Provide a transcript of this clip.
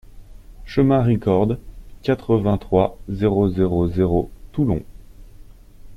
Chemin Ricord, quatre-vingt-trois, zéro zéro zéro Toulon